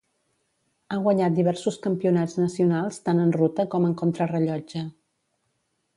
Ha guanyat diversos campionats nacionals tant en ruta com en contrarellotge.